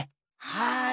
はい。